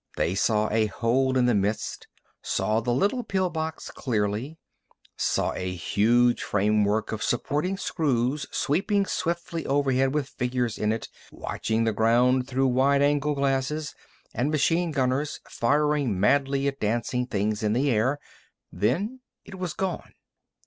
They saw a hole in the mist, saw the little pill box clearly, saw a huge framework of supporting screws sweeping swiftly overhead with figures in it watching the ground through wind angle glasses, and machine gunners firing madly at dancing things in the air. Then it was gone.